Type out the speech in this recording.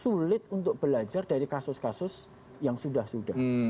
sulit untuk belajar dari kasus kasus yang sudah sudah